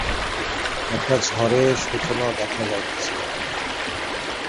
একটা ঝড়ের সূচনা দেখা যাইতেছিল।